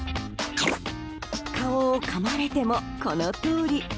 顔をかまれても、このとおり。